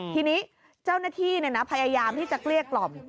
ทีนี้เจ้าหน้าที่พยายามที่จะเกลี้ยกล่อม